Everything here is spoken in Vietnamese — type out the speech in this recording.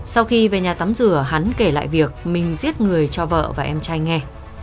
sau khi về nhà tắm rửa hắn kể lại việc mình giết người cho vợ và em trai nghe